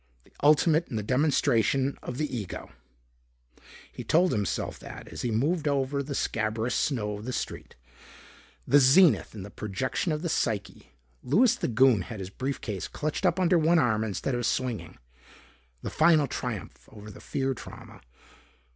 The ultimate in the demonstration or the ego.... He told himself that as he moved over the scabrous snow of the street.... The zenith in the projection of the psyche.... Louis the Goon had his briefcase clutched up under one arm instead of swinging.... The final triumph over the fear trauma....